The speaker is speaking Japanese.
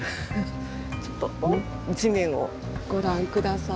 ちょっと地面をご覧下さい。